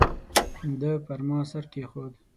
ده پر ما سر کېښود.